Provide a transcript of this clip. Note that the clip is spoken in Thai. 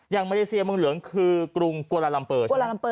อย่างเมริเศียเมืองหลวงคือกรุงกัวลาลัมเปอร์